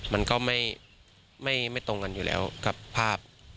มันก็ไม่ตรงกันอยู่แล้วกับภาพ